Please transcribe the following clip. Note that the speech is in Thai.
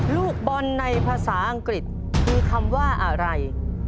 ลูกบอลในภาษาอังกฤษคือคำว่าอะไร